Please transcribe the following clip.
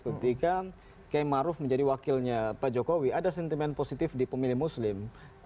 ketika kiai maruf menjadi wakilnya pak jokowi ada sentimen positif di pemilih muslim